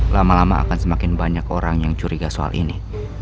lama lama akan semakin banyak orang yang curiga soal ini